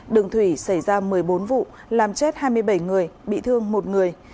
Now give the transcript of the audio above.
đường thủy xảy ra một mươi bốn vụ làm chết hai mươi bảy người bị thương một người